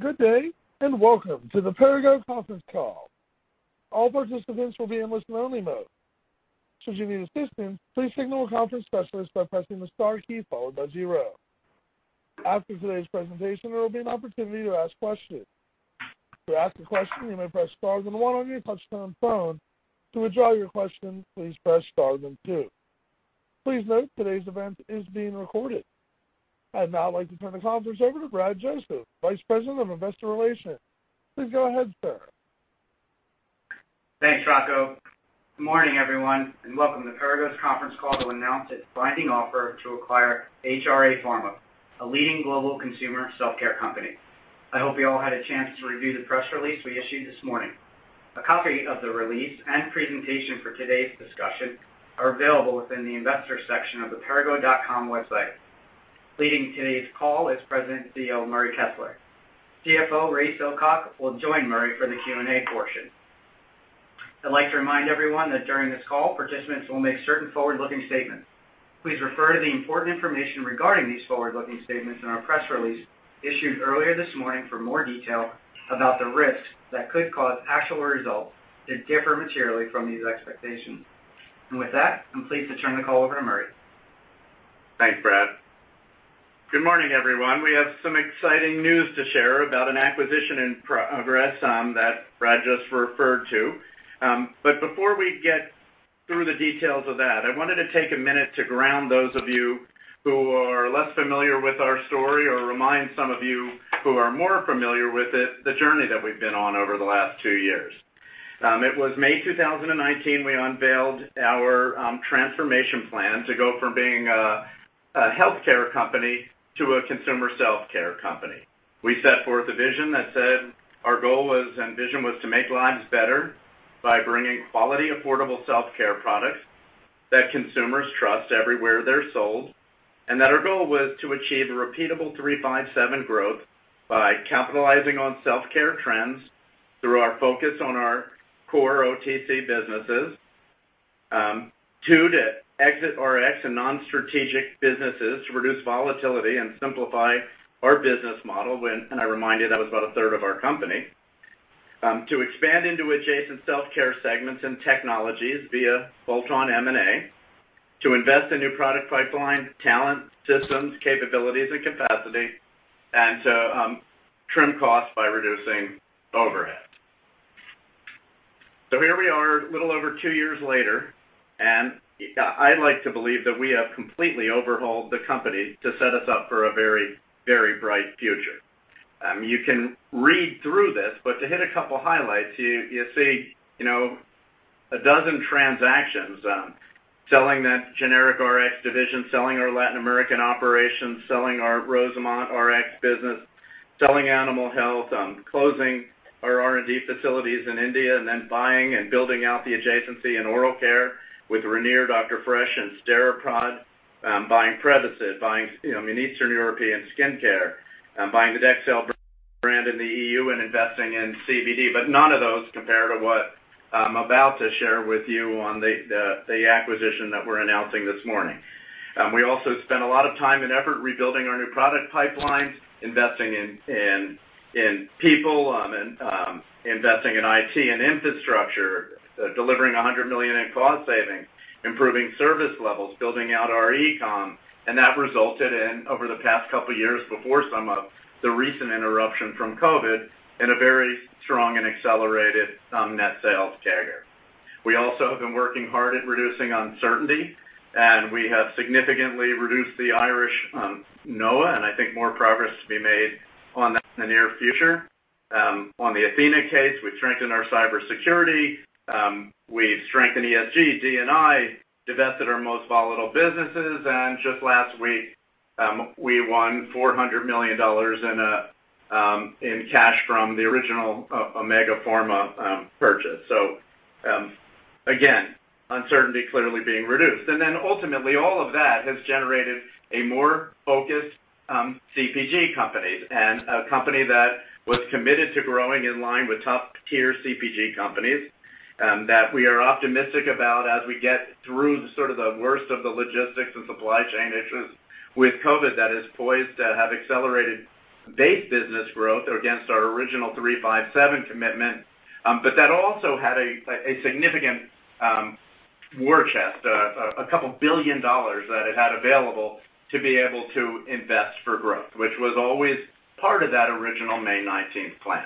Good day, and welcome to the Perrigo conference call. I'd now like to turn the conference over to Bradley Joseph, Vice President of Investor Relations. Please go ahead, sir. Thanks, Rocco. Good morning, everyone, welcome to Perrigo's conference call to announce its binding offer to acquire HRA Pharma, a leading global consumer self-care company. I hope you all had a chance to review the press release we issued this morning. A copy of the release and presentation for today's discussion are available within the investor section of the perrigo.com website. Leading today's call is President and Chief Executive Officer, Murray Kessler. Chief Financial Officer, Ray Silcock, will join Murray for the Q&A portion. I'd like to remind everyone that during this call, participants will make certain forward-looking statements. Please refer to the important information regarding these forward-looking statements in our press release issued earlier this morning for more detail about the risks that could cause actual results to differ materially from these expectations. With that, I'm pleased to turn the call over to Murray. Thanks, Brad. Good morning, everyone. We have some exciting news to share about an acquisition in progress that Brad just referred to. Before we get through the details of that, I wanted to take a minute to ground those of you who are less familiar with our story or remind some of you who are more familiar with it, the journey that we've been on over the last two years. It was May 2019, we unveiled our transformation plan to go from being a healthcare company to a consumer self-care company. We set forth a vision that said our goal was and vision was to make lives better by bringing quality, affordable self-care products that consumers trust everywhere they're sold, and that our goal was to achieve a repeatable 3%, 5%, 7% growth by capitalizing on self-care trends through our focus on our core OTC businesses. Two, to exit Rx and non-strategic businesses to reduce volatility and simplify our business model. I remind you, that was about a third of our company. To expand into adjacent self-care segments and technologies via bolt-on M&A. To invest in new product pipeline, talent, systems, capabilities, and capacity, and to trim costs by reducing overhead. Here we are, a little over two years later, and I'd like to believe that we have completely overhauled the company to set us up for a very bright future. You can read through this, to hit a couple highlights, you see a dozen transactions. Selling that generic RX division, selling our Latin American operations, selling our Rosemont RX business, selling animal health, closing our R&D facilities in India, and then buying and building out the adjacency in oral care with Ranir, Dr. Fresh, and Steripod, buying Previsite, buying Eastern European skincare, buying the DexL brand in the EU and investing in CBD. None of those compare to what I'm about to share with you on the acquisition that we're announcing this morning. We also spent a lot of time and effort rebuilding our new product pipelines, investing in people, investing in IT and infrastructure, delivering $100 million in cost savings, improving service levels, building out our e-com, and that resulted in, over the past couple of years before some of the recent interruption from COVID, in a very strong and accelerated net sales CAGR. We also have been working hard at reducing uncertainty. We have significantly reduced the Irish NOA. I think more progress to be made on that in the near future. On the Athena case, we've strengthened our cybersecurity. We've strengthened ESG, D&I, divested our most volatile businesses. Just last week, we won $400 million in cash from the original Omega Pharma purchase. Again, uncertainty clearly being reduced. Ultimately, all of that has generated a more focused CPG company and a company that was committed to growing in line with top-tier CPG companies that we are optimistic about as we get through sort of the worst of the logistics and supply chain issues with COVID that is poised to have accelerated base business growth against our original 3%, 5%, 7% commitment. That also had a significant war chest, a couple of billion dollars that it had available to be able to invest for growth, which was always part of that original May 19th plan.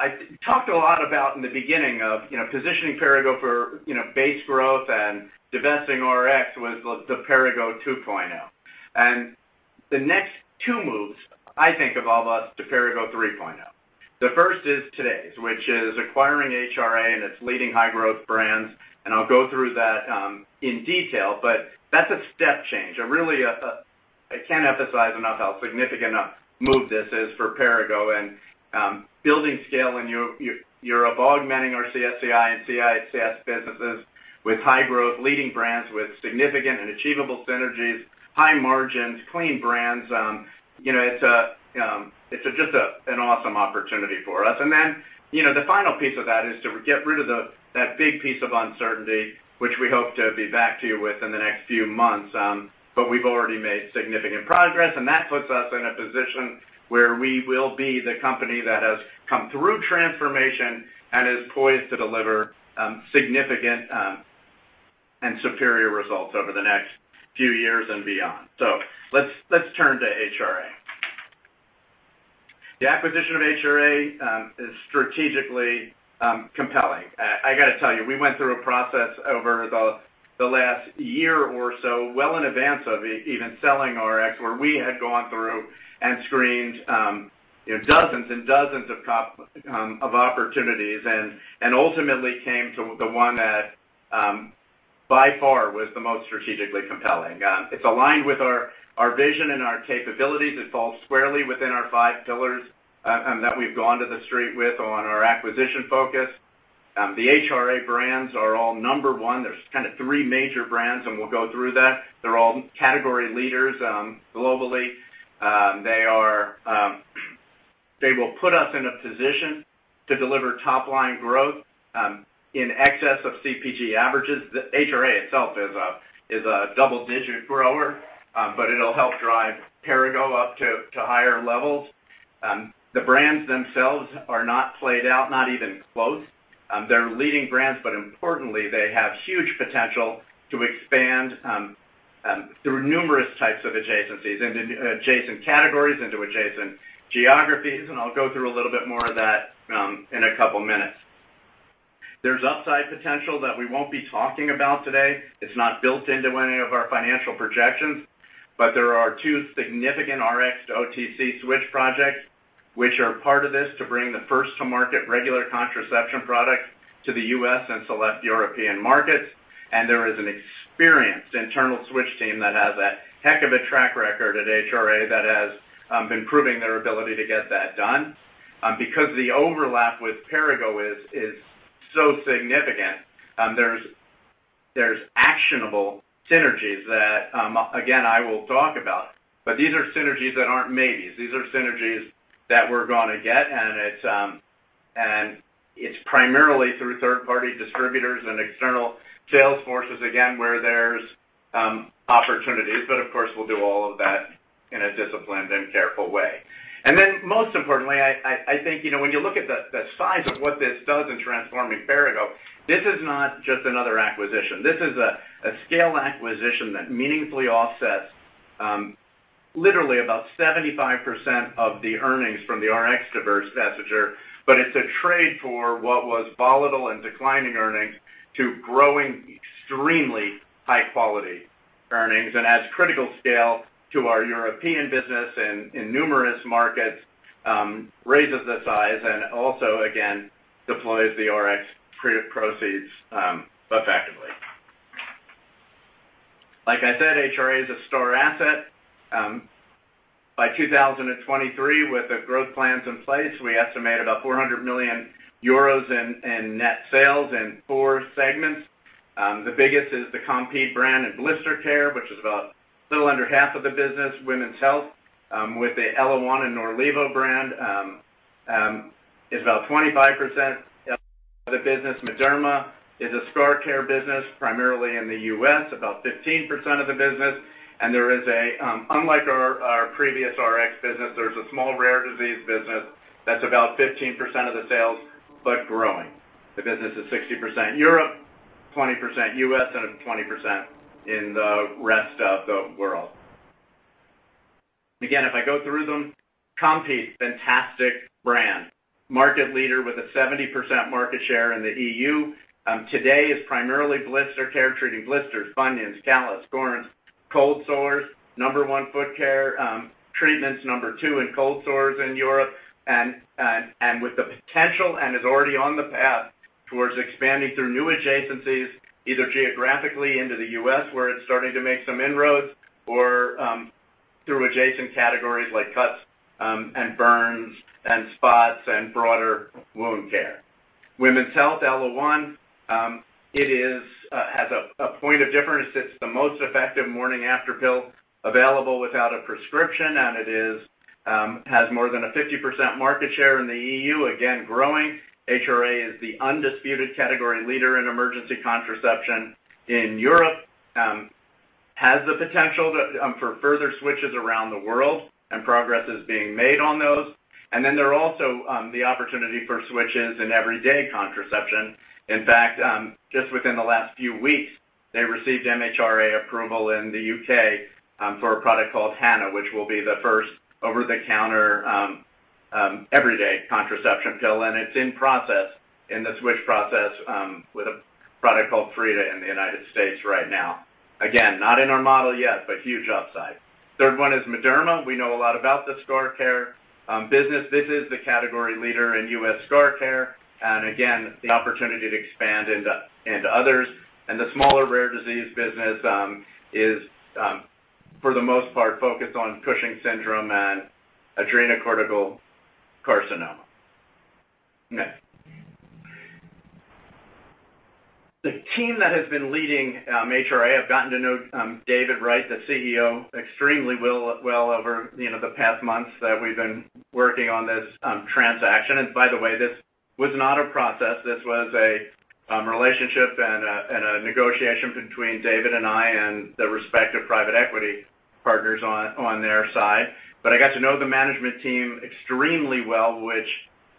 I talked a lot about in the beginning of positioning Perrigo for base growth and divesting Rx was the Perrigo 2.0. The next two moves, I think, evolve us to Perrigo 3.0. The first is today's, which is acquiring HRA and its leading high-growth brands, and I'll go through that in detail, but that's a step change. I can't emphasize enough how significant a move this is for Perrigo and building scale and you're augmenting our CSCI and CSCA businesses with high growth, leading brands with significant and achievable synergies, high margins, clean brands. It's just an awesome opportunity for us. Then, the final piece of that is to get rid of that big piece of uncertainty, which we hope to be back to you with in the next few months. We've already made significant progress, and that puts us in a position where we will be the company that has come through transformation and is poised to deliver significant and superior results over the next few years and beyond. Let's turn to HRA. The acquisition of HRA is strategically compelling. I got to tell you, we went through a process over the last year or so, well in advance of even selling RX, where we had gone through and screened dozens and dozens of opportunities and ultimately came to the one that, by far, was the most strategically compelling. It's aligned with our vision and our capabilities. It falls squarely within our five pillars that we've gone to the street with on our acquisition focus. The HRA brands are all number one. There's kind of three major brands. We'll go through that. They're all category leaders globally. They will put us in a position to deliver top-line growth in excess of CPG averages. HRA itself is a double-digit grower. It'll help drive Perrigo up to higher levels. The brands themselves are not played out, not even close. They're leading brands. Importantly, they have huge potential to expand through numerous types of adjacencies, into adjacent categories, into adjacent geographies. I'll go through a little bit more of that in a couple of minutes. There's upside potential that we won't be talking about today. It's not built into any of our financial projections. There are two significant Rx-to-OTC switch projects which are part of this to bring the first to market regular contraception product to the U.S. and select European markets. There is an experienced internal switch team that has a heck of a track record at HRA that has been proving their ability to get that done. Because the overlap with Perrigo is so significant, there's actionable synergies that, again, I will talk about. These are synergies that aren't maybes. These are synergies that we're going to get, and it's primarily through third-party distributors and external sales forces, again, where there's opportunities. Of course, we'll do all of that in a disciplined and careful way. Most importantly, I think, when you look at the size of what this does in transforming Perrigo, this is not just another acquisition. This is a scale acquisition that meaningfully offsets literally about 75% of the earnings from the RX divestiture. It's a trade for what was volatile and declining earnings to growing extremely high-quality earnings and adds critical scale to our European business and in numerous markets, raises the size, and also, again, deploys the RX proceeds effectively. Like I said, HRA is a star asset. By 2023, with the growth plans in place, we estimate about 400 million euros in net sales in four segments. The biggest is the Compeed brand and blister care, which is about a little under half of the business. Women's health with the ellaOne and NorLevo brand is about 25% of the business. Mederma is a scar care business primarily in the U.S., about 15% of the business. Unlike our previous Rx business, there's a small rare disease business that's about 15% of the sales, but growing. The business is 60% Europe, 20% U.S., and 20% in the rest of the world. If I go through them, Compeed, fantastic brand. Market leader with a 70% market share in the EU. Today is primarily blister care, treating blisters, bunions, calluses, corns, cold sores, number 1 foot care treatments, number 2 in cold sores in Europe. With the potential and is already on the path towards expanding through new adjacencies, either geographically into the U.S., where it's starting to make some inroads or through adjacent categories like cuts and burns and spots and broader wound care. Women's health, ellaOne, it has a point of difference. It's the most effective morning after pill available without a prescription, and it has more than a 50% market share in the EU, again, growing. HRA is the undisputed category leader in emergency contraception in Europe, has the potential for further switches around the world, and progress is being made on those. There are also the opportunity for switches in everyday contraception. In fact, just within the last few weeks, they received MHRA approval in the U.K. for a product called Hana, which will be the first over-the-counter everyday contraception pill, and it's in process in the switch process with a product called Frida in the United States right now. Again, not in our model yet, huge upside. Third one is Mederma. We know a lot about the scar care business. This is the category leader in U.S. scar care, again, the opportunity to expand into others. The smaller rare disease business is, for the most part, focused on Cushing syndrome and adrenocortical carcinoma. No. The team that has been leading HRA, I've gotten to know David Wright, the Chief Executive Officer, extremely well over the past months that we've been working on this transaction. By the way, this was not a process. This was a relationship and a negotiation between David and I and the respective private equity partners on their side. I got to know the management team extremely well, which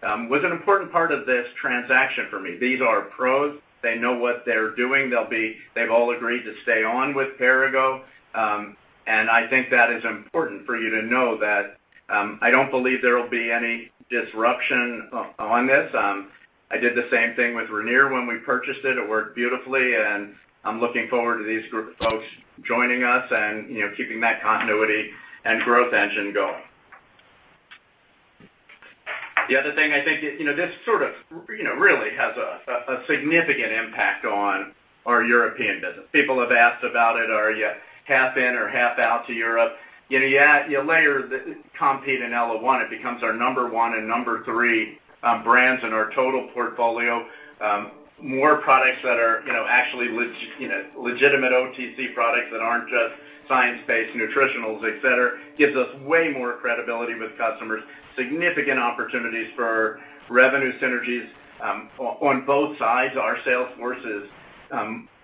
was an important part of this transaction for me. These are pros. They know what they're doing. They've all agreed to stay on with Perrigo. I think that is important for you to know that I don't believe there will be any disruption on this. I did the same thing with Ranir when we purchased it. It worked beautifully, and I'm looking forward to these folks joining us and keeping that continuity and growth engine going. The other thing, I think this sort of really has a significant impact on our European business. People have asked about it. Are you half in or half out to Europe? You layer Compeed and ellaOne, it becomes our number one and number three brands in our total portfolio. More products that are actually legitimate OTC products that aren't just science-based nutritionals, et cetera, gives us way more credibility with customers. Significant opportunities for revenue synergies on both sides. Our sales force is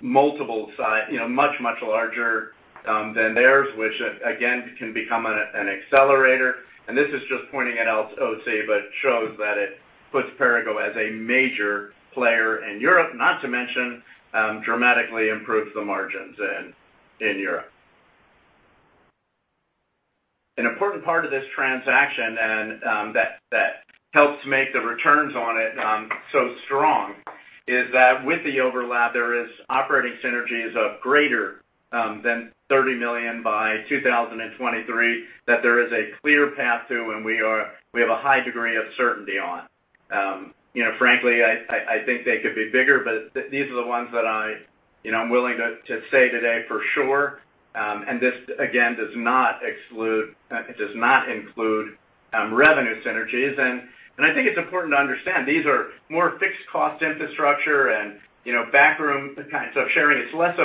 much larger than theirs, which again, can become an accelerator. This is just pointing at OTC, but it shows that it puts Perrigo as a major player in Europe, not to mention dramatically improves the margins in Europe. An important part of this transaction, and that helps make the returns on it so strong, is that with the overlap, there is operating synergies of greater than 30 million by 2023 that there is a clear path to and we have a high degree of certainty on. Frankly, I think they could be bigger, but these are the ones that I'm willing to say today for sure. This, again, does not include revenue synergies. I think it's important to understand, these are more fixed cost infrastructure and backroom kinds of sharing. It's less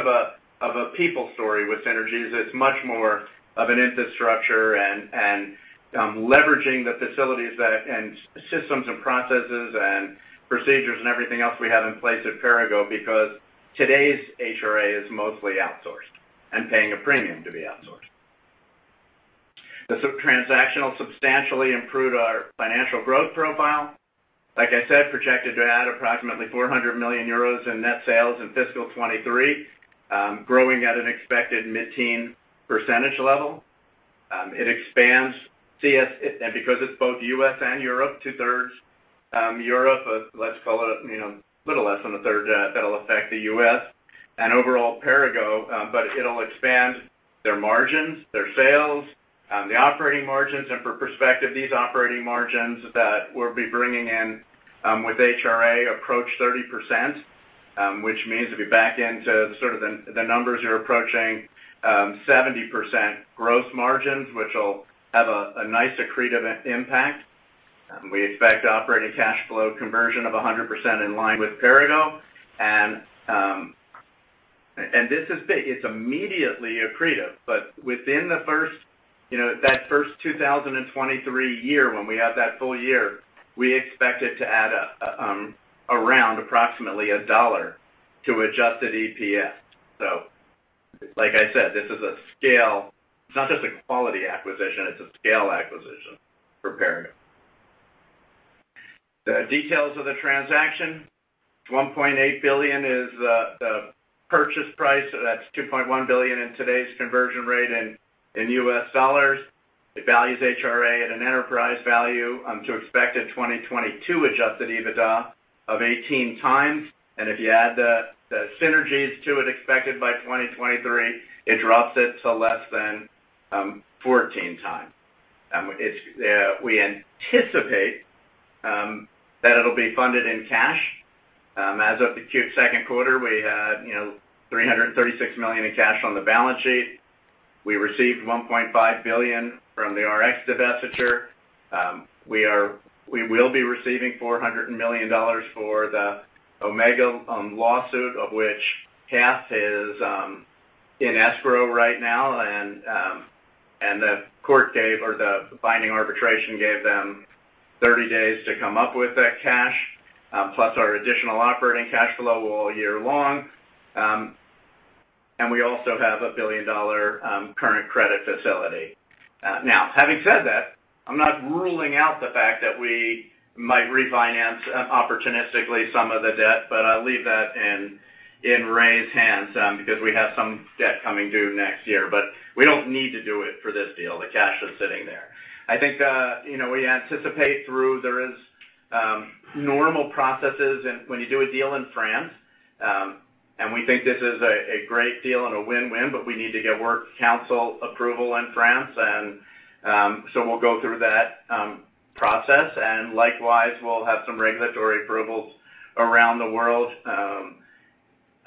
of a people story with synergies. It's much more of an infrastructure and leveraging the facilities and systems and processes and procedures and everything else we have in place at Perrigo, because today's HRA is mostly outsourced and paying a premium to be outsourced. The transaction will substantially improve our financial growth profile. Like I said, projected to add approximately 400 million euros in net sales in fiscal 2023, growing at an expected mid-teen percentage level. It expands CS, and because it's both U.S. and Europe, 2/3 Europe, let's call it a little less than 1/3 that'll affect the U.S. and overall Perrigo, it'll expand their margins, their sales, the operating margins. For perspective, these operating margins that we'll be bringing in with HRA approach 30%, which means if you back into sort of the numbers, you're approaching 70% gross margins, which will have a nice accretive impact. We expect operating cash flow conversion of 100% in line with Perrigo. This is big. It's immediately accretive, but within that first 2023 year when we have that full year, we expect it to add around approximately $1 to adjusted EPS. Like I said, this is a scale. It's not just a quality acquisition, it's a scale acquisition for Perrigo. The details of the transaction, $1.8 billion is the purchase price. That's $2.1 billion in today's conversion rate in U.S. dollars. It values HRA at an enterprise value to expected 2022 adjusted EBITDA of 18x. If you add the synergies to it expected by 2023, it drops it to less than 14x. We anticipate that it'll be funded in cash. As of the second quarter, we had $336 million in cash on the balance sheet. We received $1.5 billion from the Rx divestiture. We will be receiving $400 million for the Omega lawsuit, of which half is in escrow right now. The court gave, or the binding arbitration gave them 30 days to come up with that cash, plus our additional operating cash flow all year long. We also have a billion-dollar current credit facility. Now, having said that, I'm not ruling out the fact that we might refinance opportunistically some of the debt, but I'll leave that in Ray's hands because we have some debt coming due next year. We don't need to do it for this deal. The cash is sitting there. I think we anticipate through there is normal processes when you do a deal in France, and we think this is a great deal and a win-win, but we need to get work council approval in France. We'll go through that process, and likewise, we'll have some regulatory approvals around the world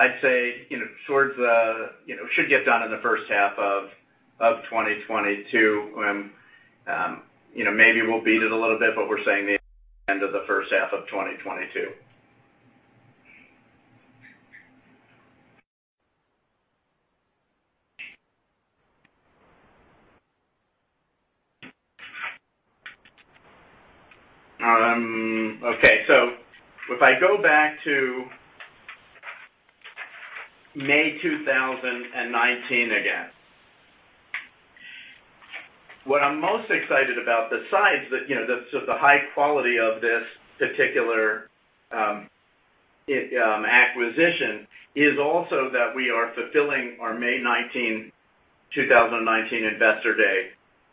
I'd say should get done in the first half of 2022. Maybe we'll beat it a little bit, but we're saying the end of the first half of 2022. Okay. If I go back to May 2019 again, what I'm most excited about besides the high quality of this particular acquisition, is also that we are fulfilling our May 2019 investor day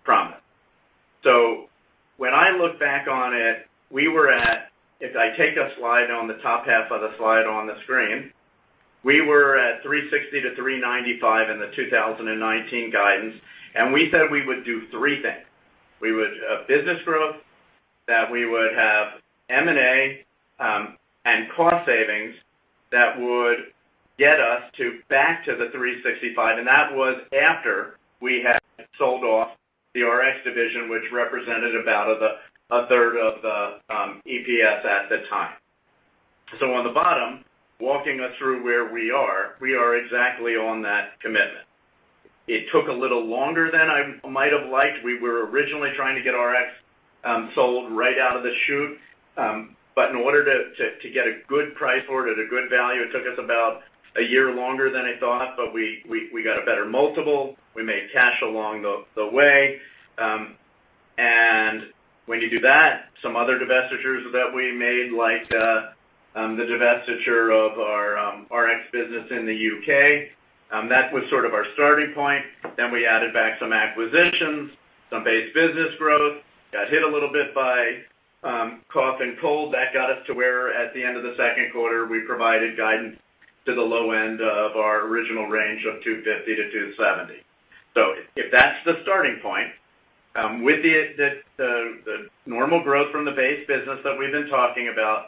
promise. When I look back on it, if I take a slide on the top half of the slide on the screen, we were at $360-$395 in the 2019 guidance, and we said we would do three things. We would have business growth, that we would have M&A, and cost savings that would get us back to the $365, and that was after we had sold off the Rx division, which represented about 1/3 of the EPS at the time. On the bottom, walking us through where we are, we are exactly on that commitment. It took a little longer than I might have liked. We were originally trying to get Rx sold right out of the chute. In order to get a good price for it at a good value, it took us about a year longer than I thought, but we got a better multiple. We made cash along the way. When you do that, some other divestitures that we made, like the divestiture of our Rx business in the U.K., that was sort of our starting point. We added back some acquisitions, some base business growth, got hit a little bit by cough and cold. That got us to where, at the end of the second quarter, we provided guidance to the low end of our original range of $250-$270. If that's the starting point, with the normal growth from the base business that we've been talking about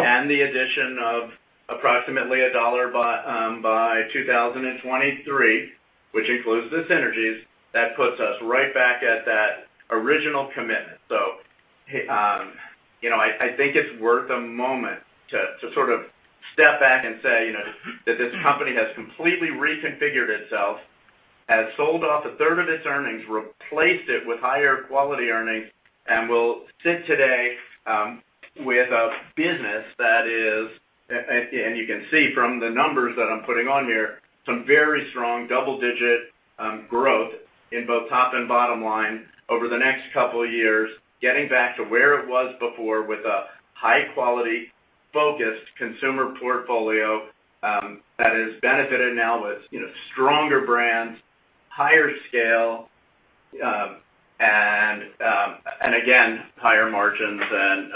and the addition of approximately $1 by 2023, which includes the synergies, that puts us right back at that original commitment. I think it's worth a moment to sort of step back and say that this company has completely reconfigured itself, has sold off a third of its earnings, replaced it with higher quality earnings, and will sit today with a business that is, and you can see from the numbers that I'm putting on here, some very strong double-digit growth in both top and bottom line over the next couple of years, getting back to where it was before with a high-quality, focused consumer portfolio that has benefited now with stronger brands, higher scale, and again, higher margins and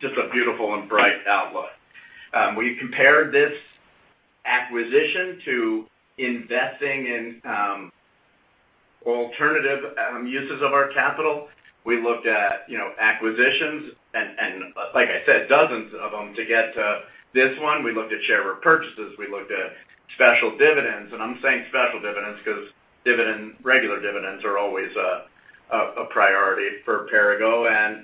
just a beautiful and bright outlook. We compared this acquisition to investing in alternative uses of our capital. We looked at acquisitions and, like I said, dozens of them to get to this one. We looked at share repurchases. We looked at special dividends. I'm saying special dividends because regular dividends are always a priority for Perrigo.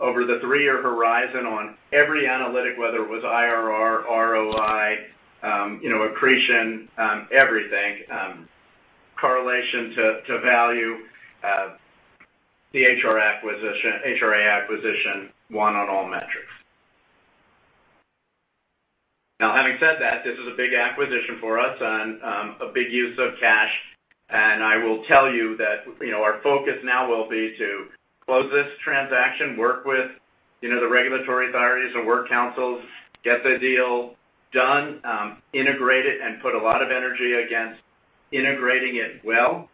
Over the three-year horizon on every analytic, whether it was IRR, ROI, accretion, everything, correlation to value, the HRA acquisition won on all metrics. Having said that, this is a big acquisition for us and a big use of cash. I will tell you that our focus now will be to close this transaction, work with the regulatory authorities and work councils, get the deal done, integrate it, and put a lot of energy against integrating it well.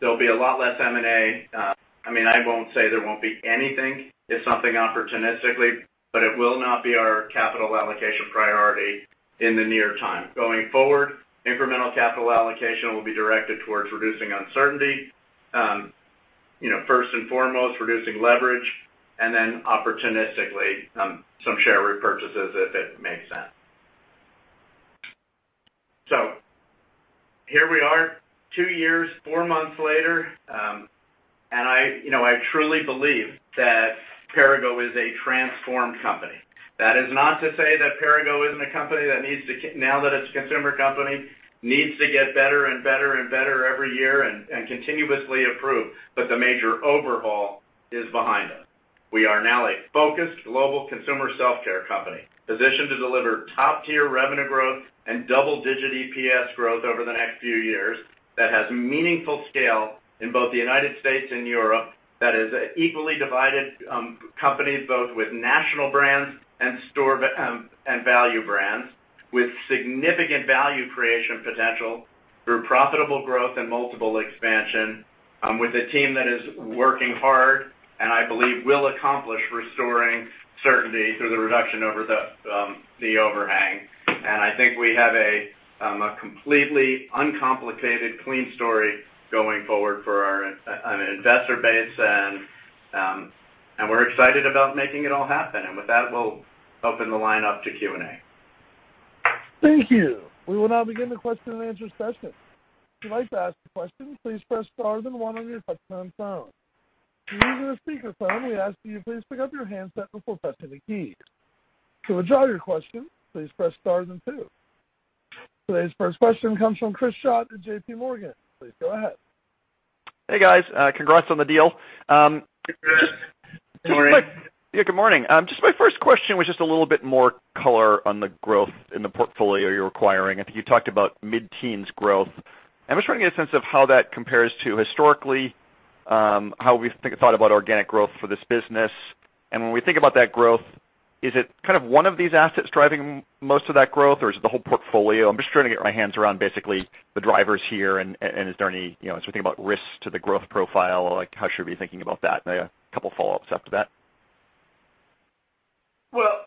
There'll be a lot less M&A. I won't say there won't be anything if something opportunistically, but it will not be our capital allocation priority in the near time. Going forward, incremental capital allocation will be directed towards reducing uncertainty. First and foremost, reducing leverage, opportunistically, some share repurchases if it makes sense. Here we are, two years, four months later. I truly believe that Perrigo is a transformed company. That is not to say that Perrigo isn't a company that, now that it's a consumer company, needs to get better and better and better every year and continuously improve, but the major overhaul is behind us. We are now a focused global consumer self-care company, positioned to deliver top-tier revenue growth and double-digit EPS growth over the next few years that has meaningful scale in both the U.S. and Europe that is equally divided company, both with national brands and value brands with significant value creation potential through profitable growth and multiple expansion with a team that is working hard and I believe will accomplish restoring certainty through the reduction over the overhang. I think we have a completely uncomplicated, clean story going forward for our investor base and we're excited about making it all happen. With that, we'll open the line up to Q&A. Thank you. We will now begin the question and answer session. If you'd like to ask a question, please press star then one on your touch-tone phone. If you're using a speakerphone, we ask that you please pick up your handset before pressing the key. To withdraw your question, please press star then two. Today's first question comes from Chris Schott at JPMorgan. Please go ahead. Hey, guys. Congrats on the deal. Good morning. Yeah, good morning. My first question was a little bit more color on the growth in the portfolio you're acquiring. I think you talked about mid-teens growth. I'm just trying to get a sense of how that compares to historically, how we think and thought about organic growth for this business. When we think about that growth, is it kind of one of these assets driving most of that growth, or is it the whole portfolio? I'm just trying to get my hands around basically the drivers here, and is there any, as we think about risks to the growth profile, like how should we be thinking about that? I have a couple follow-ups after that. Well,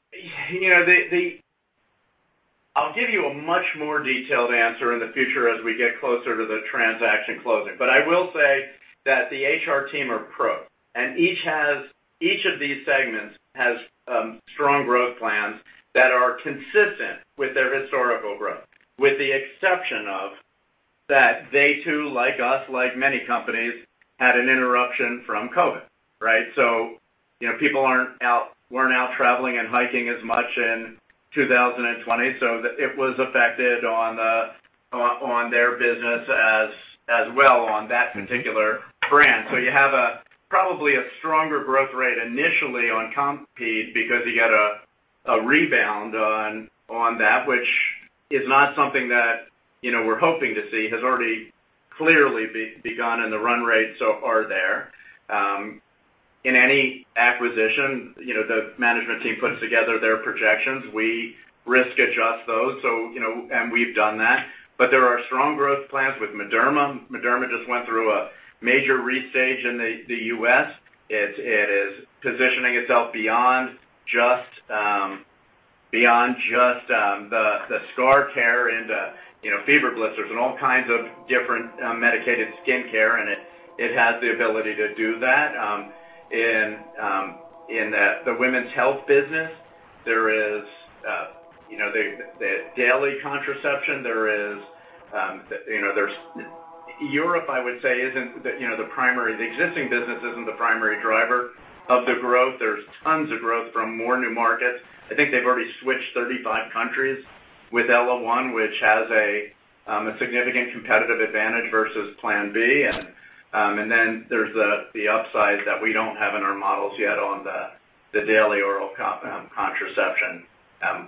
I'll give you a much more detailed answer in the future as we get closer to the transaction closing. I will say that the Human Resource team are pros, and each of these segments has strong growth plans that are consistent with their historical growth, with the exception of that they too, like us, like many companies, had an interruption from COVID, right? People weren't out traveling and hiking as much in 2020, it was affected on their business as well on that particular brand. You have probably a stronger growth rate initially on Compeed because you got a rebound on that, which is not something that we're hoping to see, has already clearly begun in the run rate so far there. In any acquisition, the management team puts together their projections. We risk adjust those, we've done that. There are strong growth plans with Mederma. Mederma just went through a major restage in the U.S. It is positioning itself beyond just the scar care into fever blisters and all kinds of different medicated skincare, and it has the ability to do that. In the women's health business, there is the daily contraception. Europe, I would say, the existing business isn't the primary driver of the growth. There's tons of growth from more new markets. I think they've already switched 35 countries with ellaOne, which has a significant competitive advantage versus Plan B. There's the upside that we don't have in our models yet on the daily oral contraception,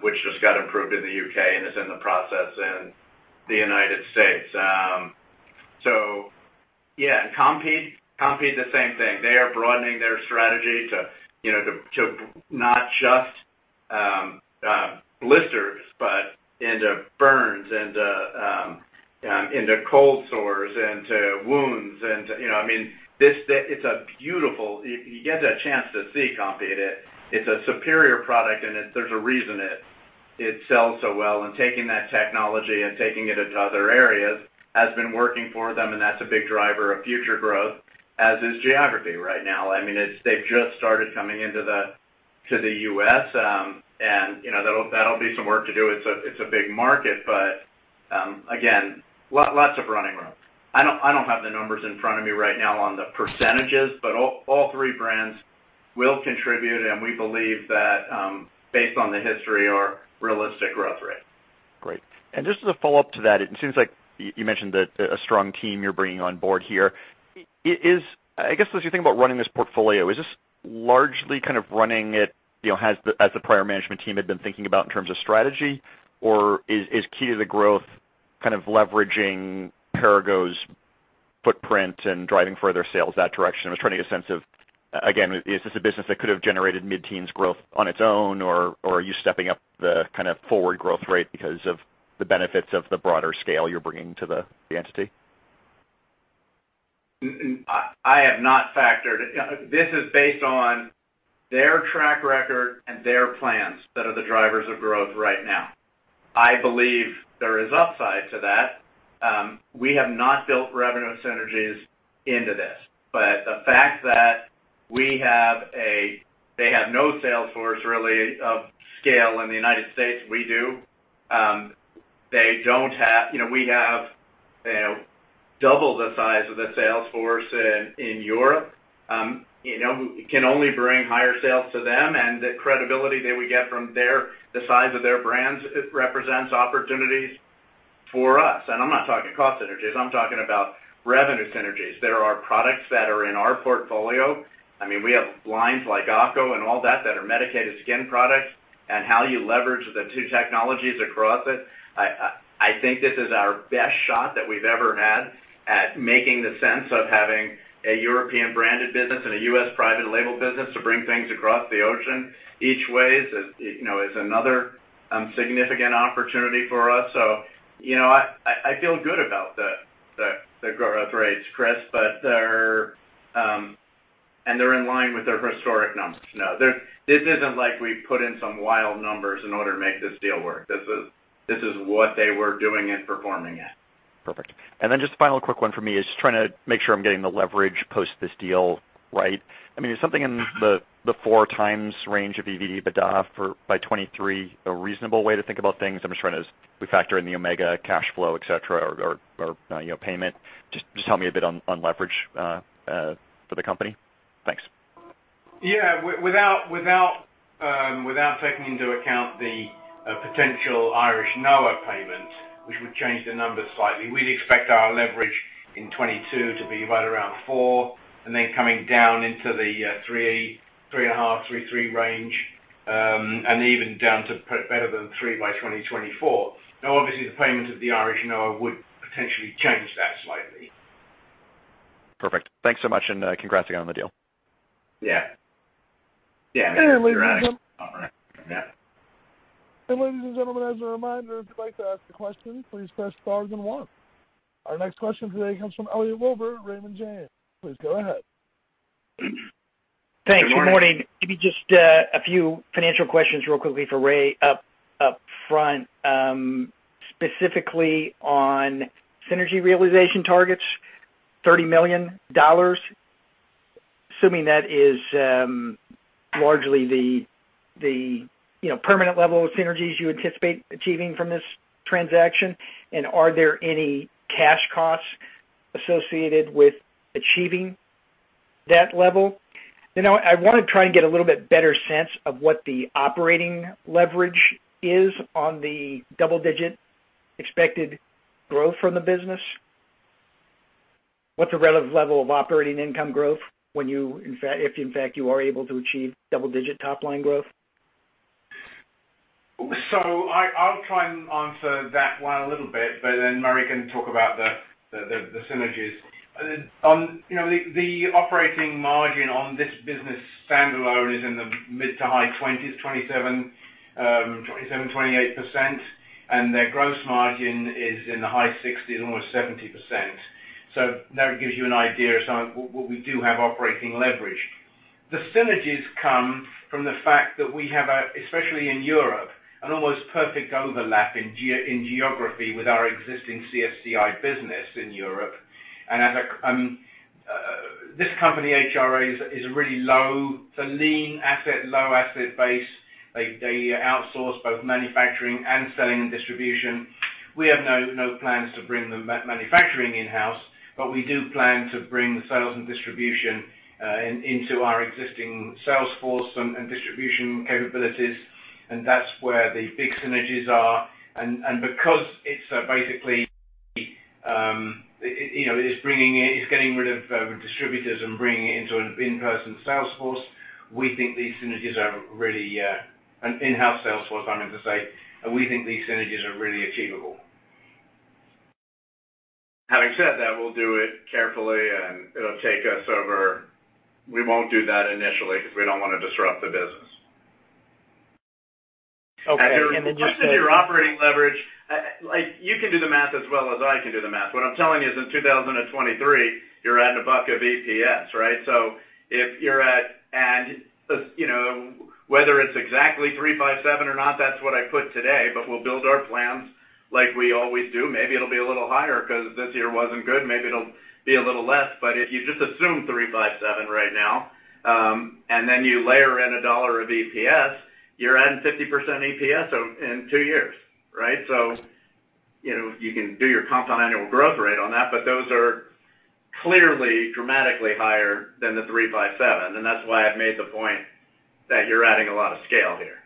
which just got approved in the U.K. and is in the process in the U.S. Yeah, Compeed, the same thing. They are broadening their strategy to not just blisters, but into burns, into cold sores, into wounds. If you get a chance to see Compeed, it's a superior product and there's a reason it sells so well. And taking that technology and taking it into other areas has been working for them, and that's a big driver of future growth, as is geography right now. They've just started coming into the U.S., and that'll be some work to do. It's a big market, but again, lots of running room. I don't have the numbers in front of me right now on the percentages, but all three brands will contribute, and we believe that based on the history, are realistic growth rates. Great. Just as a follow-up to that, it seems like you mentioned a strong team you're bringing on board here. I guess as you think about running this portfolio, is this largely kind of running it as the prior management team had been thinking about in terms of strategy, or is key to the growth kind of leveraging Perrigo's footprint and driving further sales that direction? I was trying to get a sense of, again, is this a business that could have generated mid-teens growth on its own, or are you stepping up the kind of forward growth rate because of the benefits of the broader scale you're bringing to the entity? I have not factored. This is based on their track record and their plans that are the drivers of growth right now. I believe there is upside to that. We have not built revenue synergies into this. The fact that they have no sales force, really, of scale in the U.S., we do. We have double the size of the sales force in Europe. It can only bring higher sales to them, and the credibility that we get from the size of their brands represents opportunities for us. I'm not talking cost synergies, I'm talking about revenue synergies. There are products that are in our portfolio. We have lines like ACO and all that are medicated skin products, and how you leverage the two technologies across it, I think this is our best shot that we've ever had at making the sense of having a European branded business and a U.S. private label business to bring things across the ocean each way is another significant opportunity for us. I feel good about the growth rates, Chris, and they're in line with their historic numbers. This isn't like we put in some wild numbers in order to make this deal work. This is what they were doing and performing at. Perfect. Then just final quick one for me is just trying to make sure I'm getting the leverage post this deal right. Is something in the 4x range of EBITDA by 2023 a reasonable way to think about things? We factor in the Omega cash flow, et cetera, or payment. Just help me a bit on leverage, for the company. Thanks. Yeah. Without taking into account the potential Irish NOA payment, which would change the numbers slightly, we'd expect our leverage in 2022 to be right around 4x, and then coming down into the 3.5x, 3x range, and even down to better than 3x by 2024. Now, obviously, the payment of the Irish NOA would potentially change that slightly. Perfect. Thanks so much, and congrats again on the deal. Yeah. Ladies and gentlemen, as a reminder, if you'd like to ask a question, please press star then one. Our next question today comes from Elliot Wilbur, Raymond James. Please go ahead. Thanks. Good morning. Maybe just a few financial questions real quickly for Ray up front, specifically on synergy realization targets, $30 million. Assuming that is largely the permanent level of synergies you anticipate achieving from this transaction. Are there any cash costs associated with achieving that level? I want to try and get a little bit better sense of what the operating leverage is on the double-digit expected growth from the business. What's the relative level of operating income growth when you, if in fact you are able to achieve double-digit top-line growth? I'll try and answer that one a little bit, but then Murray can talk about the synergies. The operating margin on this business standalone is in the mid to high 20s, 27%, 28%, and their gross margin is in the high 60s, almost 70%. That gives you an idea what we do have operating leverage. The synergies come from the fact that we have a, especially in Europe, an almost perfect overlap in geography with our existing CSCI business in Europe. And this company, HRA, is really low. It's a lean asset, low asset base. They outsource both manufacturing and selling and distribution. We have no plans to bring the manufacturing in-house, but we do plan to bring the sales and distribution into our existing sales force and distribution capabilities. And that's where the big synergies are. Because it's basically, it's getting rid of distributors and bringing it into an in-person sales force, we think these synergies are really an in-house sales force, I meant to say. We think these synergies are really achievable. Having said that, we'll do it carefully, and it'll take us over. We won't do that initially because we don't want to disrupt the business. Okay. In addition to your operating leverage, you can do the math as well as I can do the math. What I'm telling you is in 2023, you're adding $1 of EPS, right? If you're at, and whether it's exactly $3.57 or not, that's what I put today, but we'll build our plans like we always do. Maybe it'll be a little higher because this year wasn't good. Maybe it'll be a little less. If you just assume $3.57 right now, and then you layer in $1 of EPS, you're adding 50% EPS in two years, right? You can do your compound annual growth rate on that, but those are clearly dramatically higher than the $3.57. That's why I've made the point that you're adding a lot of scale here.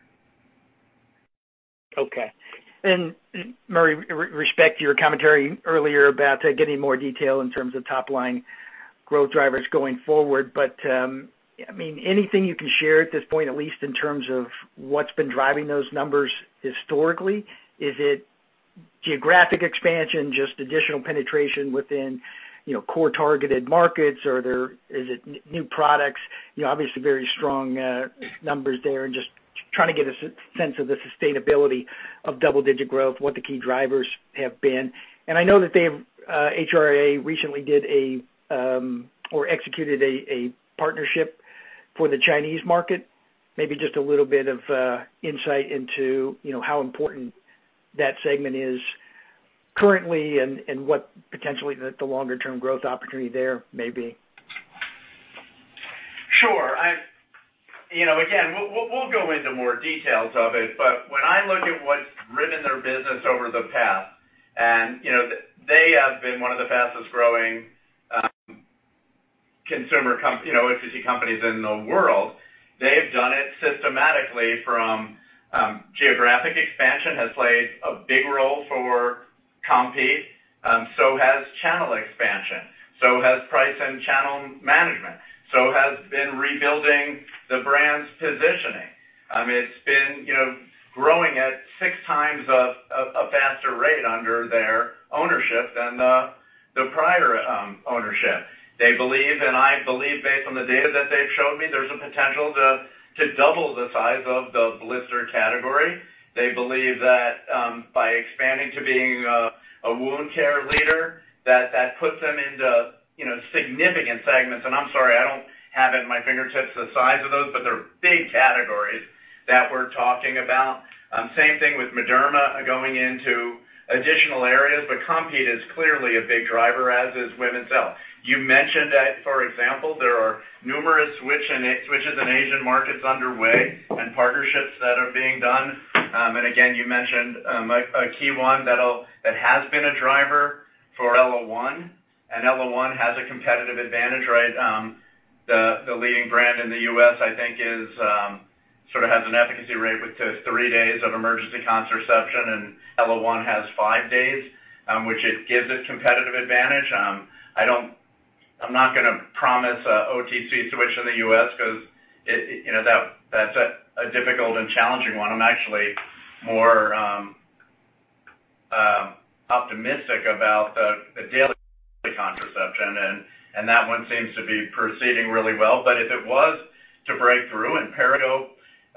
Okay. Murray, respect your commentary earlier about getting more detail in terms of top-line growth drivers going forward. Anything you can share at this point, at least in terms of what's been driving those numbers historically? Is it geographic expansion, just additional penetration within core targeted markets? Is it new products? Obviously very strong numbers there and just trying to get a sense of the sustainability of double-digit growth, what the key drivers have been. I know that HRA recently executed a partnership for the Chinese market. Maybe just a little bit of insight into how important that segment is currently and what potentially the longer-term growth opportunity there may be. Sure. Again, we'll go into more details of it, but when I look at what's driven their business over the past, and they have been one of the fastest-growing consumer OTC companies in the world. They've done it systematically from geographic expansion has played a big role for Compeed. Has channel expansion. Has price and channel management. Has been rebuilding the brand's positioning. It's been growing at 6 times a faster rate under their ownership than the prior ownership. They believe, and I believe based on the data that they've shown me, there's a potential to double the size of the blister category. They believe that by expanding to being a wound care leader, that puts them into significant segments. I'm sorry, I don't have at my fingertips the size of those, but they're big categories that we're talking about. Same thing with Mederma going into additional areas, but Compeed is clearly a big driver, as is women's health. You mentioned that, for example, there are numerous switches in Asian markets underway and partnerships that are being done. Again, you mentioned a key one that has been a driver for ellaOne, and ellaOne has a competitive advantage, right? The leading brand in the U.S., I think, sort of has an efficacy rate with three days of emergency contraception, and ellaOne has five days, which it gives it competitive advantage. I'm not going to promise OTC switch in the U.S. because that's a difficult and challenging one. I'm actually more optimistic about the daily contraception, and that one seems to be proceeding really well. If it was to break through in Perrigo,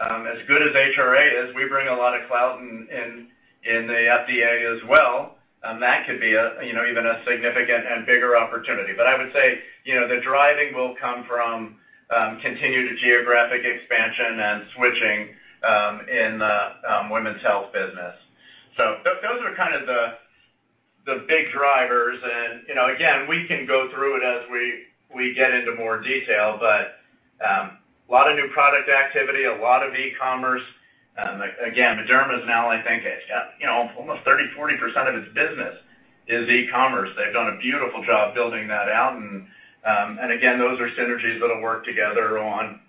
as good as HRA is, we bring a lot of clout in the FDA as well. That could be even a significant and bigger opportunity. I would say the driving will come from continued geographic expansion and switching in the women's health business. Those are kind of the big drivers and again, we can go through it as we get into more detail, but a lot of new product activity, a lot of e-commerce. Again, Mederma is now, I think, almost 30%-40% of its business is e-commerce. They've done a beautiful job building that out, and again, those are synergies that'll work together on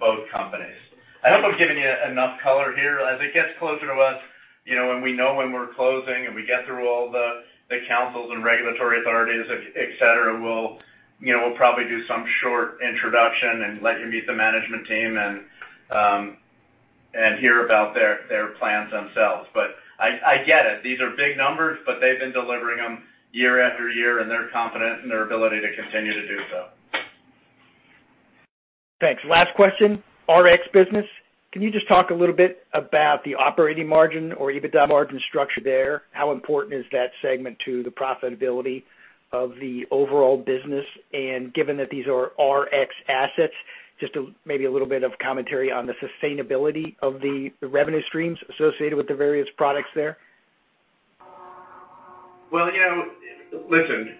both companies. I hope I've given you enough color here. As it gets closer to us, when we know when we're closing and we get through all the councils and regulatory authorities, et cetera, we'll probably do some short introduction and let you meet the management team and hear about their plans themselves. I get it. These are big numbers, but they've been delivering them year after year, and they're confident in their ability to continue to do so. Thanks. Last question. RX business, can you just talk a little bit about the operating margin or EBITDA margin structure there? How important is that segment to the profitability of the overall business? Given that these are RX assets, just maybe a little bit of commentary on the sustainability of the revenue streams associated with the various products there. Well, listen,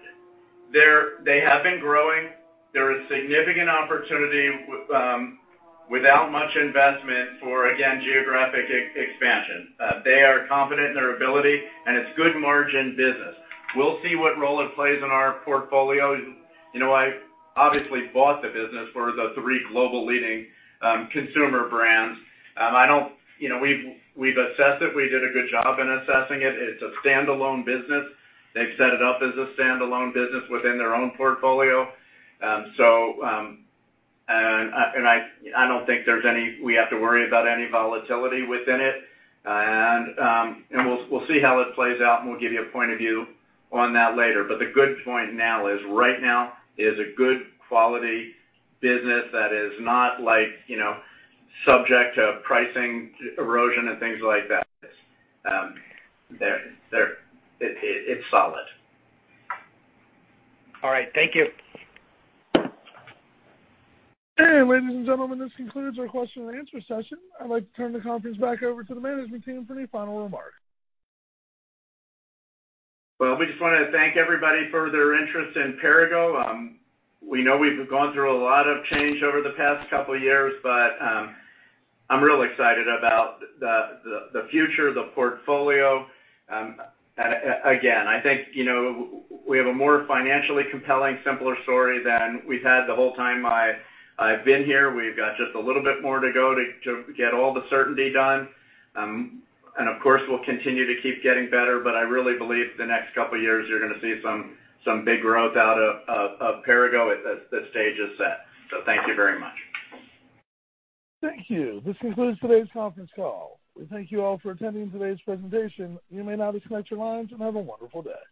they have been growing. There is significant opportunity without much investment for, again, geographic expansion. They are confident in their ability, and it's good margin business. We'll see what role it plays in our portfolio. I obviously bought the business for the three global leading consumer brands. We've assessed it. We did a good job in assessing it. It's a standalone business. They've set it up as a standalone business within their own portfolio. I don't think we have to worry about any volatility within it. We'll see how it plays out, and we'll give you a point of view on that later. The good point now is right now is a good quality business that is not subject to pricing erosion and things like that. It's solid. All right. Thank you. Ladies and gentlemen, this concludes our question and answer session. I'd like to turn the conference back over to the management team for any final remarks. Well, we just want to thank everybody for their interest in Perrigo. We know we've gone through a lot of change over the past couple of years, but I'm real excited about the future, the portfolio. Again, I think we have a more financially compelling, simpler story than we've had the whole time I've been here. We've got just a little bit more to go to get all the certainty done. Of course, we'll continue to keep getting better, but I really believe the next couple of years you're going to see some big growth out of Perrigo. The stage is set. Thank you very much. Thank you. This concludes today's conference call. We thank you all for attending today's presentation. You may now disconnect your lines and have a wonderful day.